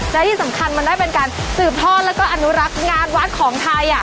และที่สำคัญมันได้เป็นการสืบทอดแล้วก็อนุรักษ์งานวัดของไทย